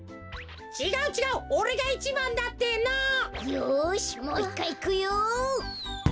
よしもう１かいいくよ！